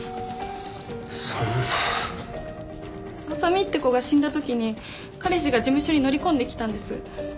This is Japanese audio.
あさみって子が死んだ時に彼氏が事務所に乗り込んできたんです。